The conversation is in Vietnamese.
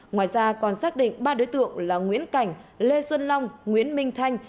ngoài ra còn xác định ba đối tượng là nguyễn cảnh lê xuân long nguyễn minh thanh